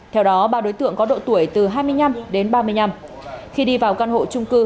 theo đó ba đối tượng có độ tuổi từ hai mươi năm đến ba mươi năm khi đi vào căn hộ trung cư